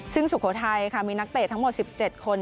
ซึ่งสุโขทัยค่ะมีนักเตะทั้งหมด๑๗คน